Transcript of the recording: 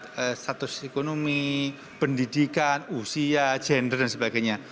tidak melihat status ekonomi pendidikan usia gender dan sebagainya